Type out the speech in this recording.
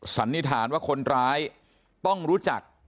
สันนิษฐานว่าคนร้ายต้องรู้จัก